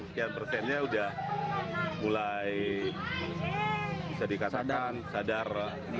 sekian persennya sudah mulai bisa dikatakan sadar